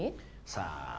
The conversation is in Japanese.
さあ。